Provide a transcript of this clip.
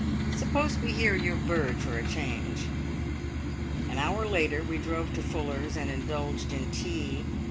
Suppose we hear your bird for a change?" An hour later we drove to Fuller's and indulged in tea.